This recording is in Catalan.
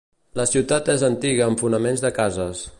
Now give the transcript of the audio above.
La ciutat és antiga amb fonaments de cases.